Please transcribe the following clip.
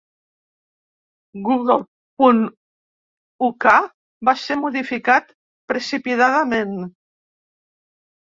Google punt uk va ser modificat precipitadament.